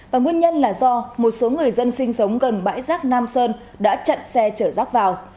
và nguyên nhân là do một số người dân sinh sống gần bãi rác nam sơn đã chặn xe chở rác vào